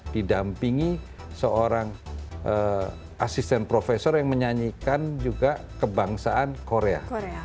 didampingi seorang asisten profesor yang menyanyikan juga kebangsaan korea